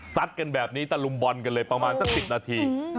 กันแบบนี้ตะลุมบอลกันเลยประมาณสัก๑๐นาที